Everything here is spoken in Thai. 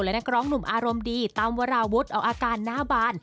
และนักร้องหนุ่มอารมณ์ดีตั้มวราวุฒิเอาอาการหน้าบาน